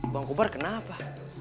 bang kubar kenapa